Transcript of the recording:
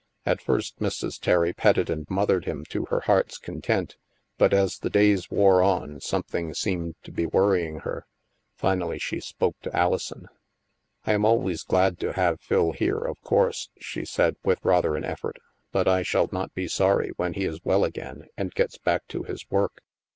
At first, Mrs. Terry petted and mothered him to her heart's content but, as the days wore on, some thing seemed to be worrying her. Finally, she spoke to Alison. " I am always glad to have Phil here, of course," she said, with rather an effort. " But I shall not be sorry when he is well again and gets back to his work.